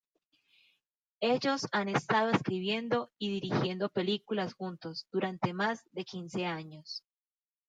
Ellos han estado escribiendo y dirigiendo películas juntos durante más de quince años.